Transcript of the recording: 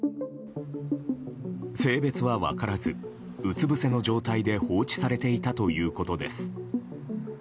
性別は分からずうつぶせの状態で放置されていたということです。